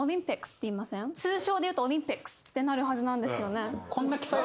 通称で言うと「オリンピックス」ってなるはずなんですよね。